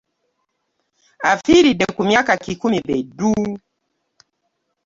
Afiiridde ku myaka kikumi be ddu!